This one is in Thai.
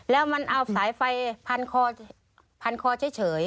แล้วมันเอาสายไฟพันคอเฉย